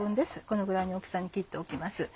このぐらいの大きさに切っておきます。